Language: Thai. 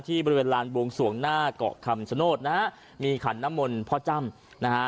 บริเวณลานบวงสวงหน้าเกาะคำชโนธนะฮะมีขันน้ำมนต์พ่อจ้ำนะฮะ